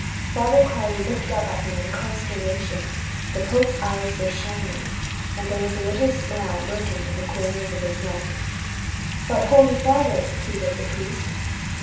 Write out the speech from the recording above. Father Crawley looked up at him in consternation; the pope's eyes were shining, and there was a little smile lurking in the corners of his mouth. "But, Holy Father ..." pleaded the priest.